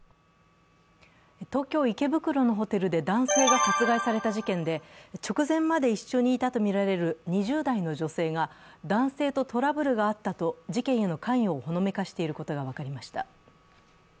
東京・池袋のホテルで男性が殺害された事件で直前まで一緒にいたとみられる２０代の女性が男性とトラブルがあったと事件への関与をほのめかしていることが分かりました。